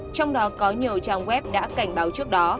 trong đó có nhiều trang web đã cảnh báo trước đó